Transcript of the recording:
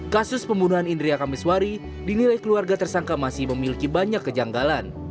kasus pembunuhan indria kamiswari dinilai keluarga tersangka masih memiliki banyak kejanggalan